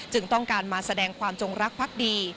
ต้องการมาแสดงความจงรักพักดี